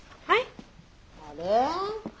はい？